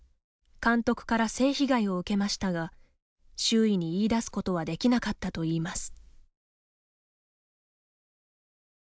監督から性被害を受けましたが周囲に言いだすことはできなかったといいます。